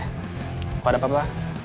kalau ada apa apa